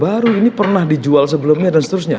baru ini pernah dijual sebelumnya dan seterusnya